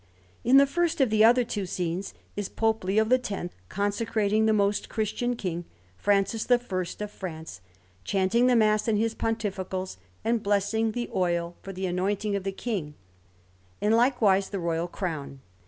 In the first of the other two scenes is Pope Leo X consecrating the most Christian King, Francis I of France, chanting the Mass in his pontificals, and blessing the oil for the anointing of the King, and likewise the royal crown.